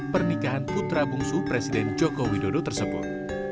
pernikahan putra bungsu presiden joko widodo tersebut